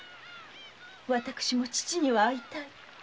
私も父には会いたい。